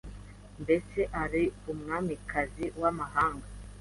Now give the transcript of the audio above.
mbese ari umwamikazi w'amahanga